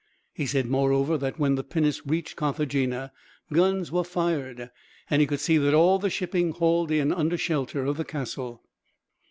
He said, moreover, that when the pinnace reached Carthagena guns were fired, and he could see that all the shipping hauled in under shelter of the castle.